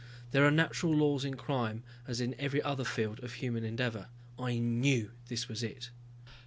There are natural laws in crime as in every other field of human endeavor. I knew this was it.